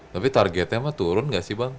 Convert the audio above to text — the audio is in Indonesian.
tapi targetnya turun nggak sih bang